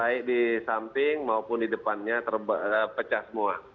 baik di samping maupun di depannya terpecah semua